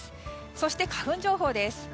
そして花粉情報です。